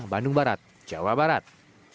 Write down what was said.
barat jawa barat